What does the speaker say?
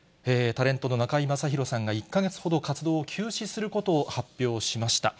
タレントの中居正広さんが、１か月ほど、活動を休止することを発表しました。